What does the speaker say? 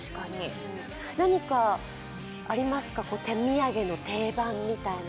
何かありますか、手土産の定番みたいなの。